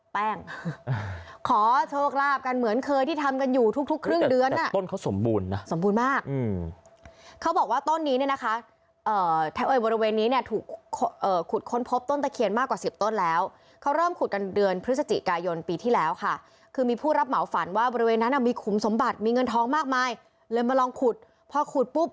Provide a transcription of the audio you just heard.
ขอโชคลาภกันเหมือนเคยที่ทำกันอยู่ทุกทุกครึ่งเดือนอ่ะต้นเขาสมบูรณ์นะสมบูรณ์มากเขาบอกว่าต้นนี้เนี่ยนะคะบริเวณนี้เนี่ยถูกขุดค้นพบต้นตะเคียนมากกว่าสิบต้นแล้วเขาเริ่มขุดกันเดือนพฤศจิกายนปีที่แล้วค่ะคือมีผู้รับเหมาฝันว่าบริเวณนั้นอ่ะมีขุมสมบัติมีเงินทองมากมายเลยมาลองขุดพอขุดปุ๊บ